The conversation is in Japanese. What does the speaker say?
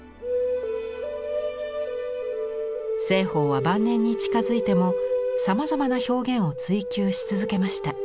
栖鳳は晩年に近づいてもさまざまな表現を追求し続けました。